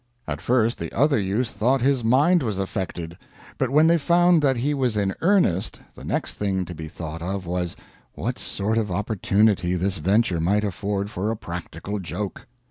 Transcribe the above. At first the other youths thought his mind was affected, but when they found that he was in earnest, the next thing to be thought of was, what sort of opportunity this venture might afford for a practical joke.